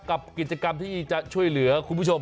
กับกิจกรรมที่จะช่วยเหลือคุณผู้ชม